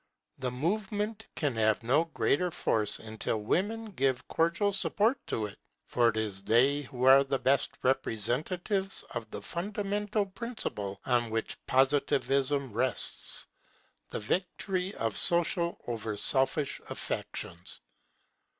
The movement can have no great force until women give cordial support to it; for it is they who are the best representatives of the fundamental principle on which Positivism rests, the victory of social over selfish affections.